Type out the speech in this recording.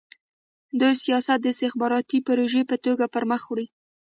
دوی سیاست د استخباراتي پروژې په توګه پرمخ وړي.